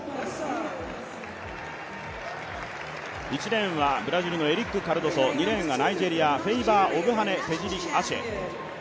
１レーンはブラジルのエリック・カルドソ２レーンがナイジェリアフェイバー・オグハネ・テジリ・アシェ。